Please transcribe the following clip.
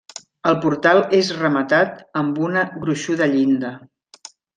El portal és rematat amb una gruixuda llinda.